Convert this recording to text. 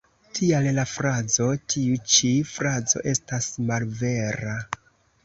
Tial la frazo ""Tiu ĉi frazo estas malvera.